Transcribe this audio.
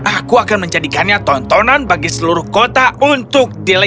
aku akan menjadikannya tontonan bagi seluruh kota untuk dilewati